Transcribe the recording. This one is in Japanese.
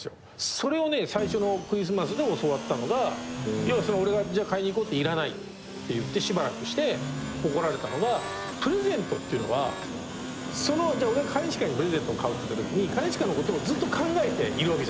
それをね最初のクリスマスで教わったのが要は俺が買いに行こうって「いらない」って言ってしばらくして怒られたのがプレゼントっていうのは俺が兼近にプレゼントを買うっていったときに兼近のことをずっと考えているわけじゃん。